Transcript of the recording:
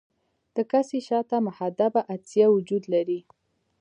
د کسي شاته محدبه عدسیه وجود لري.